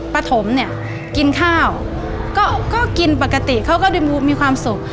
ปฐมเนี่ยกินข้าวก็กินปกติเขาก็มีความสุข